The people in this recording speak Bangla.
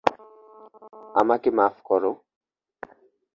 আমাকে মাফ করো।